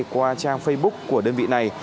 qua trang facebook của đơn vị này